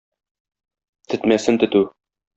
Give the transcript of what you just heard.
Тетмәсен тетү.